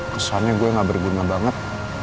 kesannya gue gak berguna banget